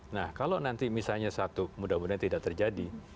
nah kalau nanti misalnya satu mudah mudahan tidak terjadi